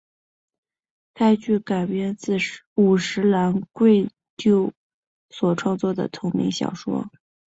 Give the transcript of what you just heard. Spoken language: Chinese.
该剧改编自五十岚贵久所创作的同名小说。